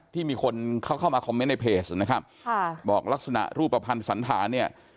ที่มีคนเขาเข้ามาคอมเมนต์ในเพจนะครับค่ะบอกลักษณะรูปภัณฑ์สันธารเนี่ย